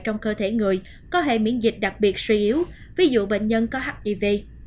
trong cơ thể người có hệ miễn dịch đặc biệt suy yếu ví dụ bệnh nhân có hiv